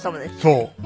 そう。